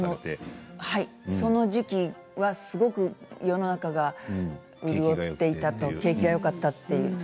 その時期はすごく世の中が潤っていた、景気がよかったって。